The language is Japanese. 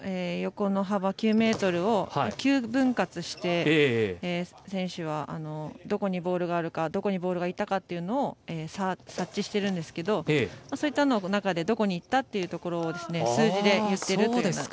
コートの横の幅９ｍを９分割して選手はどこにボールがあるかどこにボールがいったかを察知してるんですけどそういった中でどこにいったというところを数字で言っているという。